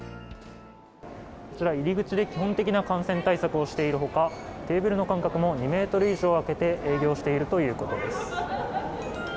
こちら、入り口で基本的な感染対策をしているほか、テーブルの間隔も２メートル以上空けて営業しているということです。